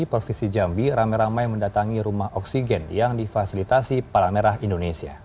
provinsi jambi ramai ramai mendatangi rumah oksigen yang difasilitasi palang merah indonesia